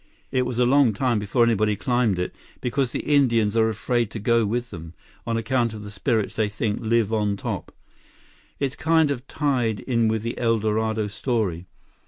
It was a long time before anybody climbed it, because Indians are afraid to go with them, on account of the spirits they think live on top. It's kind of tied in with the El Dorado story.